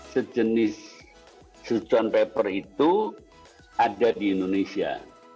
sejenis suchant pepper itu ada di indonesia